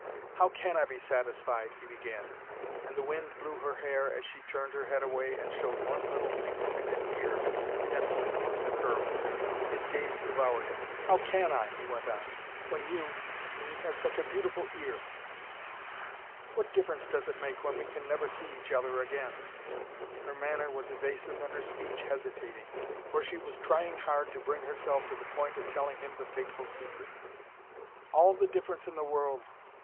"How can I be satisfied " he began, and the wind blew her hair as she turned her head away and showed one little pink tinted ear nestling among the curls. His gaze devoured it. "How can I," he went on, "when you when you have such a beautiful ear!" "What difference does it make when we can never see each other again?" Her manner was evasive and her speech hesitating, for she was trying hard to bring herself to the point of telling him the fateful secret. "All the difference in the world!